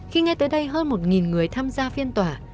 khi nghe tới đây hơn một người tham gia phiên tòa